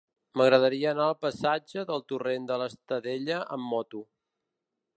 M'agradaria anar al passatge del Torrent de l'Estadella amb moto.